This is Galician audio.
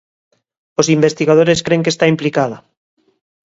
Os investigadores cren que está implicada.